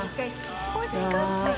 欲しかった。